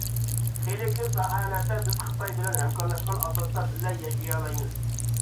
خېلى كۆپ ساھەلەردە بىز خىتاي بىلەن ھەمكارلاشقان ئاساستا بىللە ياشىيالايمىز.